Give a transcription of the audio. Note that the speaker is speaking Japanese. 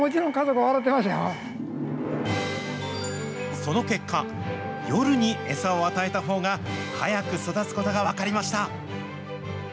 その結果、夜に餌を与えたほうが、早く育つことが分かりました。